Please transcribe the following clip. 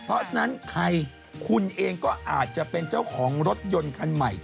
เพราะฉะนั้นใครคุณเองก็อาจจะเป็นเจ้าของรถยนต์คันใหม่